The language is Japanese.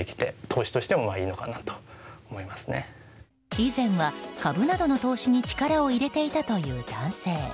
以前は株などの投資に力を入れていたという男性。